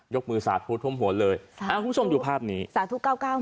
ยกมือสาธุทุ่มหัวเลยอ่ะคุณผู้ชมดูภาพนี้สาธุ